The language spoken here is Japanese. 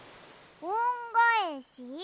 「おんがえし」？